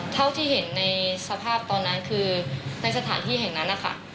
เท่าที่เห็นในสภาพตอนนั้นคือในสถานที่แห่งนั้นนะคะ